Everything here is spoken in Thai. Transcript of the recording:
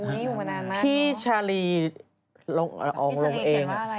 อู๋นี่อยู่มานานมากเนอะพี่ชาลีลองลงเองพี่ชาลีแก่ว่าอะไรนะ